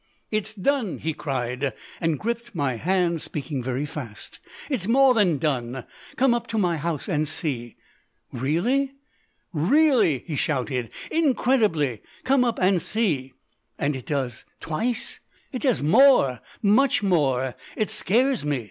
"It's done," he cried, and gripped my hand, speaking very fast; "it's more than done. Come up to my house and see." "Really?" "Really!" he shouted. "Incredibly! Come up and see." "And it does twice? "It does more, much more. It scares me.